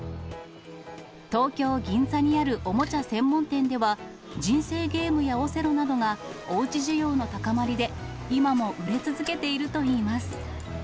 東京・銀座にあるおもちゃ専門店では、人生ゲームやオセロなどがおうち需要の高まりで、今も売れ続けているといいます。